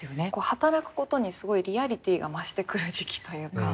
働くことにすごいリアリティーが増してくる時期というか。